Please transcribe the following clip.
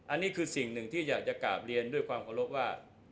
อันนี้คือสิ่งหนึ่งที่อยากจะกราบเรียนด้วยความเคารพว่า